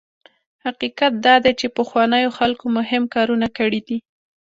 حقیقت دا دی چې پخوانیو خلکو مهم کارونه کړي دي.